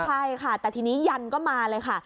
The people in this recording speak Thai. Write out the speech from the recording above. ใช่ค่ะแต่ทีนี้ยันก็มาเลยค่ะ